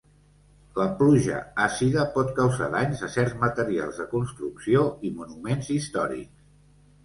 La pluja àcida pot causar danys a certs materials de construcció i monuments històrics.